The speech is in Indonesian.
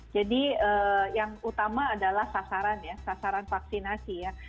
jadi yang utama adalah sasaran ya sasaran vaksinasi ya